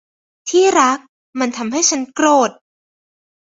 ที่รัก มันทำให้ฉันโกรธ